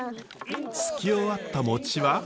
つき終わった餅は。